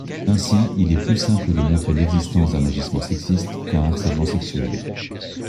Ainsi, il est plus simple de montrer l'existence d'un agissement sexiste qu'un harcèlement sexuel.